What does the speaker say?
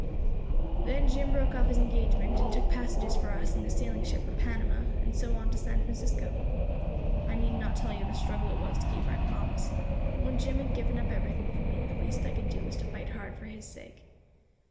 "Then Jim broke off his engagement, and took passages for us in a sailing ship for Panama, and so on to San Francisco. I need not tell you the struggle it was to keep to my promise; but when Jim had given up everything for me, the least I could do was to fight hard for his sake.